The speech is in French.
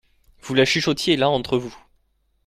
Vous la chuchotiez là entre vous.